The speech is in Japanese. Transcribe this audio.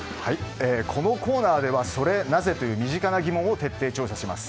このコーナーではソレなぜ？という身近な疑問を徹底調査します。